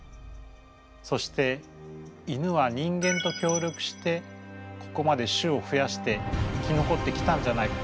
そして犬は人間と協力してここまで種をふやして生き残ってきたんじゃないか。